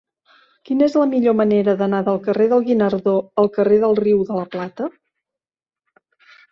Quina és la millor manera d'anar del carrer del Guinardó al carrer del Riu de la Plata?